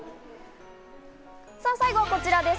さぁ最後はこちらです。